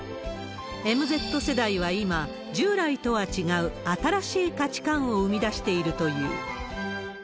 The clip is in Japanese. ＭＺ世代は今、従来とは違う新しい価値観を生み出しているという。